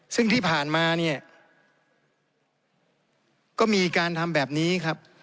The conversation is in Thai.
ซึ่งที่ผ่านมาเนี่ยก็มีการทำแบบนี้ครับ